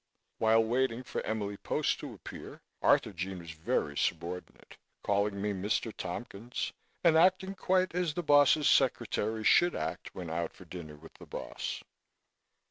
While waiting for Emily Post to appear, Arthurjean was very subordinate, calling me "Mr. Tompkins" and acting, quite as the boss's secretary should act when out for dinner with the boss.